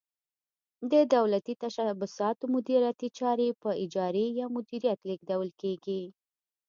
د دولتي تشبثاتو مدیریتي چارې په اجارې یا مدیریت لیږدول کیږي.